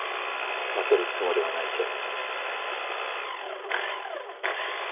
負けるつもりはないけど。